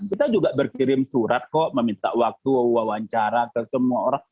kita juga berkirim surat kok meminta waktu wawancara ke semua orang